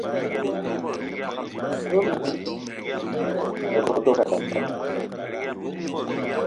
Ve ma bidi